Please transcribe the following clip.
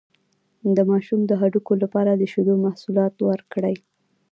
د ماشوم د هډوکو لپاره د شیدو محصولات ورکړئ